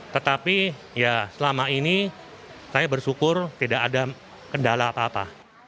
tetapi ya selama ini saya bersyukur tidak ada kendala apa apa